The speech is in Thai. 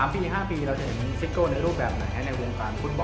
๓๕ปีเราจะเห็นซิสโก้ในรูปแบบไหนนะครับ